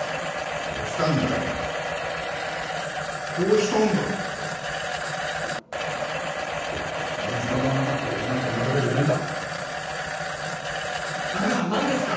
殺したんだよ殺したんだってその自覚がなかったら医者なんかなるべきじゃないんだだから何です？